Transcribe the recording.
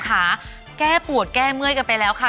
แก้ปวดแก้เมื่อยกันไปแล้วค่ะ